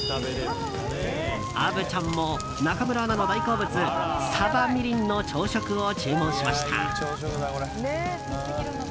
虻ちゃんの中村アナの大好物サバみりんの朝食を注文しました。